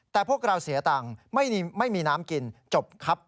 แต่พวกเราเสียตังค์ไม่มีน้ำกินจบครับ